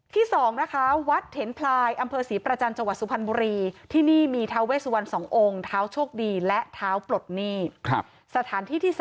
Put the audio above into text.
ที่สองนะคะวัดเถนพลายอำเภอศรีประจันทร์จังหวัดสุพรรณบุรีที่นี่มีท้าเวทสวรรณสององค์ท้าวโชคดีและท้าวปลดหนี้